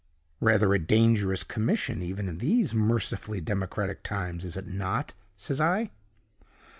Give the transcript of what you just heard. "'Rather a dangerous commission even in these mercifully democratic times, is it not?' says I.